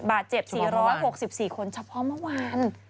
บาทเจ็บ๔๖๔คนเฉพาะเมื่อวาน